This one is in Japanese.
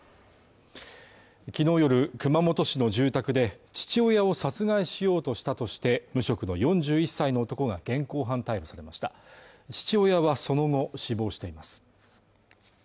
昨日夜熊本市の住宅で父親を殺害しようとしたとして無職の４１歳の男が現行犯逮捕されました父親はその後死亡しています